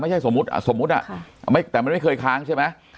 ไม่ใช่สมมติแต่ไม่เคยค้างใช่ไหม